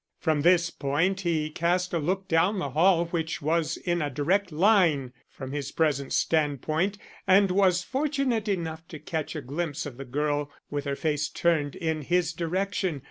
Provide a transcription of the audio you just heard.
From this point he cast a look down the hall which was in a direct line from his present standpoint, and was fortunate enough to catch a glimpse of the girl with her face turned in his direction.